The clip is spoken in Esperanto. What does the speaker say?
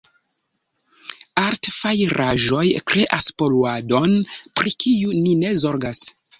Artfajraĵoj kreas poluadon, pri kiu ni ne zorgas.